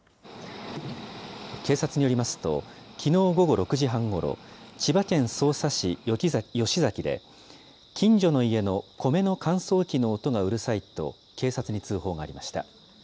警察によりますと、きのう午後６時半ごろ、千葉県匝瑳市吉崎で、近所の家の米の乾燥機の音がうるさいと、警察に通報がありました。